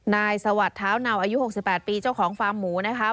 สวัสดิ์เท้าเนาอายุ๖๘ปีเจ้าของฟาร์มหมูนะคะ